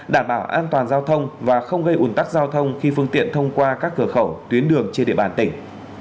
đảm bảo an toàn giao thông và không gây ủn tắc giao thông khi phương tiện thông qua các cửa khẩu tuyến đường trên địa bàn tỉnh